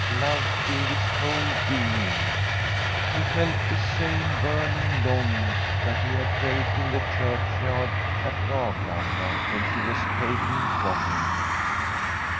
Love filled his whole being ; he felt the same burning longing that he had felt in the churchyard at Raglanda when she was taken from him.